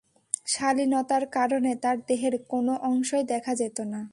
শালীনতার কারণে তার দেহের কোন অংশই দেখা যেতো না।